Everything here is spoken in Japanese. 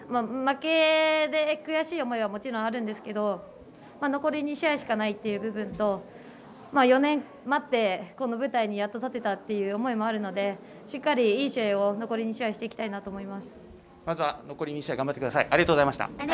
負けて悔しい思いはもちろんあるんですけど残り２試合しかないという部分と４年待ってこの舞台にやっと立てたって思いもあるのでしっかり、いい試合を残り２試合していきたいと思います。